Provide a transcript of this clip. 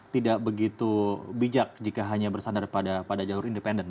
tidak begitu bijak jika hanya bersandar pada jalur independen